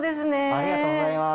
ありがとうございます。